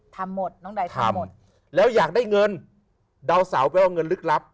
ทำหมดน้องใดทำหมดแล้วอยากได้เงินดาวเสาไปเอาเงินลึกลับ